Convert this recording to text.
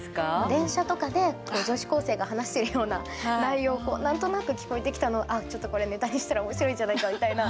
電車とかで女子高生が話しているような内容を何となく聞こえてきたのをあっちょっとこれネタにしたら面白いんじゃないかみたいな。